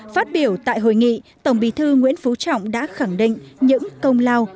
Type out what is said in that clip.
phát biểu tại hội nghị tổng bí thư nguyễn phú trọng đã khẳng định những công lao